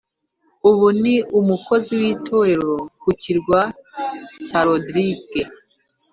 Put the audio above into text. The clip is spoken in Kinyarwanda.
Ubu ni umukozi w itorero ku kirwa cya Rodirige